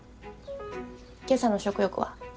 今朝の食欲は？